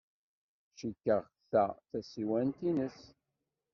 Cikkeɣ ta d tasiwant-nnes.